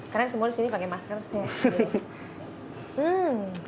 karena semua di sini pakai masker sih ya